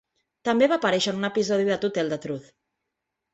També va aparèixer en un episodi de "To tell the Truth".